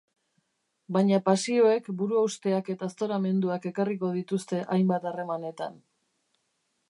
Baina pasioek buruhausteak eta aztoramenduak ekarriko dituzte hainbat harremanetan.